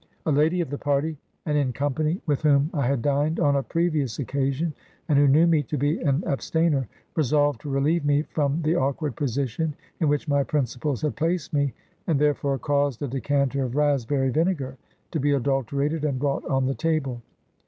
A lady of the party, and in company with whom I had dined on a previous occasion, and who knew me to be an abstainer, resolved to relieve me from the awkward position in which my principles had placed me, and therefore caused a decanter of raspberry vinegar to be adulterated and brought on the table.